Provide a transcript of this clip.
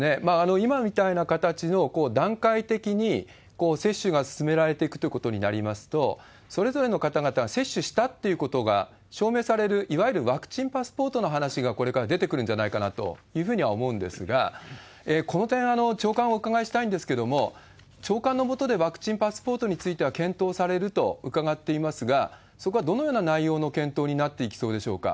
今みたいな形の段階的に接種が進められていくということになりますと、それぞれの方々、接種したっていうことが証明される、いわゆるワクチンパスポートの話がこれから出てくるんじゃないかなというふうには思うんですが、この点、長官、お伺いしたいんですけれども、長官の下でワクチンパスポートのことは検討されると伺っていますが、そこはどのような内容の検討になっていきそうでしょうか？